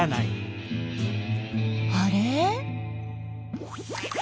あれ？